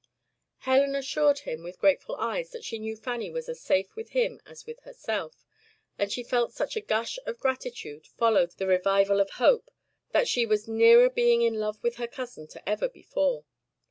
Helen assured him with grateful eyes that she knew Fanny was as safe with him as with herself; and she felt such a gush of gratitude follow the revival of hope, that she was nearer being in love with her cousin to ever before.